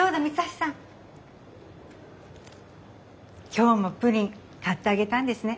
今日もプリン買ってあげたんですね。